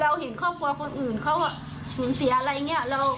เห็นครอบครัวคนอื่นเขาสูญเสียอะไรอย่างนี้